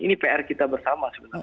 ini pr kita bersama